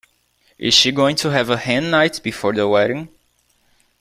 Is she going to have a hen night before the wedding?